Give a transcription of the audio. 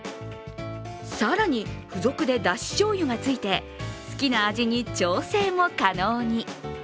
更に、付属でだしじょうゆがついて、好きな味に調整も可能に。